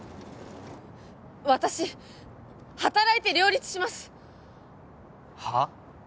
私働いて両立しますはあっ？